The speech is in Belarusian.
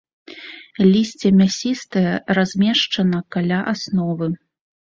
Лісце мясістае, размешчана каля асновы.